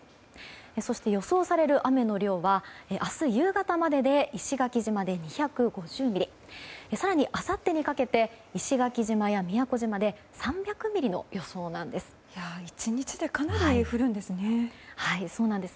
そして、予想される雨の量は明日夕方までで石垣島で２５０ミリ更にあさってにかけて石垣島や宮古島で３００ミリの予想なんです。